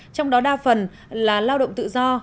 trong đó đa phần là lao động tự do